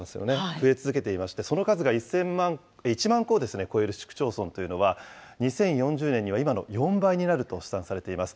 増え続けていまして、その数が１万戸を超える市区町村というのは、２０４０年には今の４倍になると試算されています。